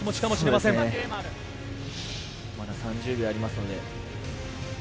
まだ３０秒ありますので。